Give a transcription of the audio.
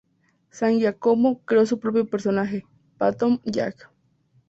San Giacomo creó su propio personaje, Phantom Jack.